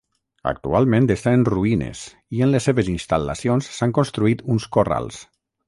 Actualment està en ruïnes i en les seves instal·lacions s'han construït uns corrals.